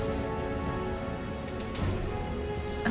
boleh ya mas